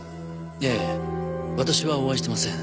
ええ私はお会いしてません。